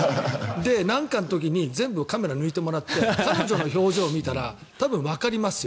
なんかの時に全部カメラで抜いてもらって彼女の表情を見たら多分、わかりますよ